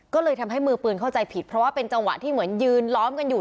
ก็เลยทำให้มือปืนเข้าใจผิดเพราะว่าเป็นจังหวะที่เหมือนยืนล้อมกันอยู่